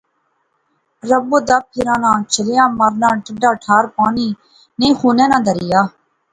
ربو دب پھرانا، چھلیا مارنا ٹھںڈا ٹھار پانی، نئیں خونے ناں دریا